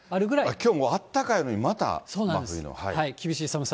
きょうもあったかいのに、また真冬の。